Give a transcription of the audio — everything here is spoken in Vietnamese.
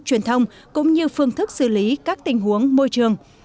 truyền thông cũng như phương thức xử lý các tình huống môi trường